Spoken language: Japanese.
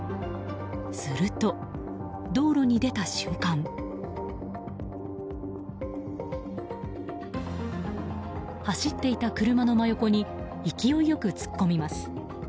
すると、道路に出た瞬間走っていた車の真横に勢いよく突っ込みます。